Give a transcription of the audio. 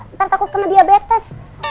nanti aku kena diabetes